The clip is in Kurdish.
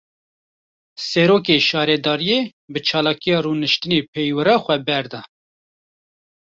Serokê şaredariyê, bi çalakiya rûniştinê peywira xwe berda